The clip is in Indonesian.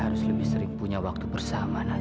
program ini para penumpang ini